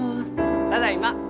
ただいま！